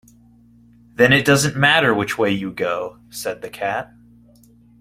‘Then it doesn’t matter which way you go,’ said the Cat.